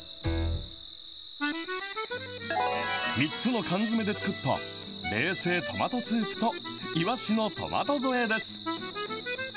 ３つの缶詰で作った、冷製トマトスープといわしのトマト添えです。